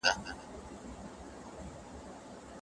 باور باید ضعیف نه سي.